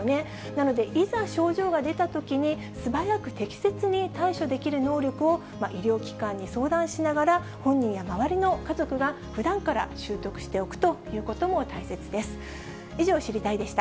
なので、いざ症状が出たときに、素早く適切に対処できる能力を、医療機関に相談しながら、本人や周りの家族がふだんから習得しておくということも大切です。